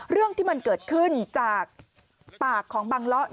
เรื่องที่มันเกิดขึ้นจากปากของบังเลาะ